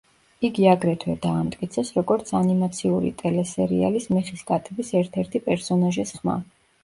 იგი აგრეთვე დაამტკიცეს როგორც ანიმაციური ტელესერიალის „მეხის კატების“ ერთ-ერთი პერსონაჟის ხმა.